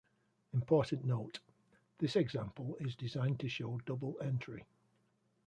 Important note: this example is designed to show double entry.